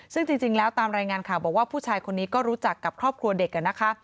ซึ่งจริงแล้วตามรายงานข่าวบอกว่าผู้ชายคนนี้ก็รู้จักกับครอบครัวเด็กนะคะ